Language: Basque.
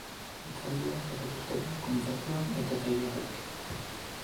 Hitzaldiak, erakusketak, kontzertuak eta tailerrak.